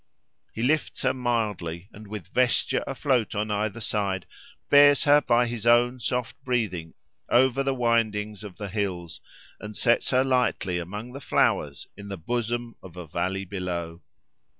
He lifts her mildly, and, with vesture afloat on either side, bears her by his own soft breathing over the windings of the hills, and sets her lightly among the flowers in the bosom of a valley below.